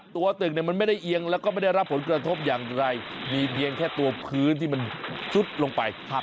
ตัวตึกมันไม่ได้เอียงแล้วก็ไม่ได้รับผลกระทบอย่างไรมีเพียงแค่ตัวพื้นที่มันซุดลงไป